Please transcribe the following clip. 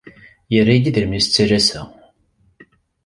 Yerra-yi-d idrimen i as-ttalaseɣ.